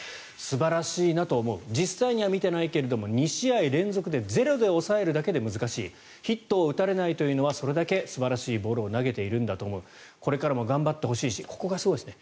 素晴らしいなと思う実際には見ていないが２試合連続でゼロで抑えるだけで難しいヒットを打たれないというのはそれだけ素晴らしいボールを投げているんだと思うこれからも頑張ってほしいしここがすごいですね。